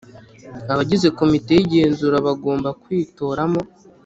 Abagize Komite y Igenzura bagomba kwitoramo